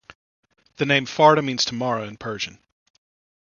The name "Farda" means "tomorrow" in Persian.